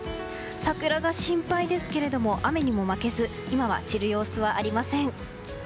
桜が心配ですけれども雨にも負けず今は散る様子はありません。